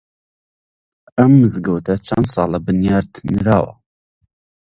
ئەم مزگەوتە چەند ساڵە بنیات نراوە؟